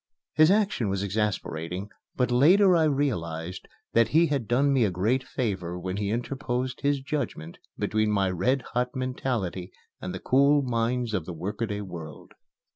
His action was exasperating, but later I realized that he had done me a great favor when he interposed his judgment between my red hot mentality and the cool minds of the workaday world.